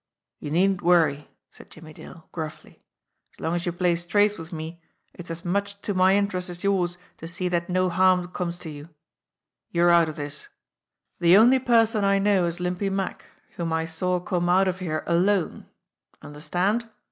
"You needn't worry," said Jimmie Dale gruffly. "As long as you play straight with me, it's as much to my interest as yours to see that no harm comes to you. You're out of this. The only person I know is Limpy Mack, whom I saw come out of here alone understand?